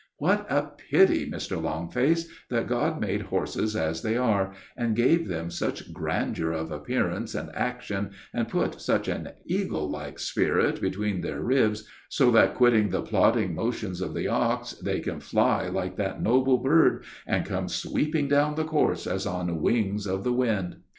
What a pity, Mr. Longface, that God made horses as they are, and gave them such grandeur of appearance when in action, and put such an eagle like spirit between their ribs, so that, quitting the plodding motions of the ox, they can fly like that noble bird, and come sweeping down the course as on wings of the wind!